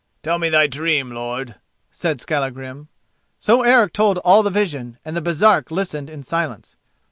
"Tell me thy dream, lord," said Skallagrim. So Eric told all the vision, and the Baresark listened in silence.